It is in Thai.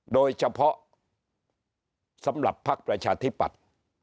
โดยเฉพาะสำหรับภักดิ์ประชาธิปัตย์